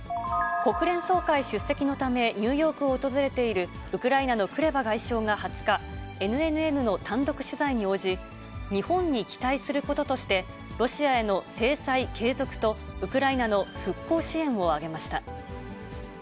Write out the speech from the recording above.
国連総会出席のため、ニューヨークを訪れているウクライナのクレバ外相が２０日、ＮＮＮの単独取材に応じ、日本に期待することとして、ロシアへの制裁継続と、ウクライナの復興支援を挙げました。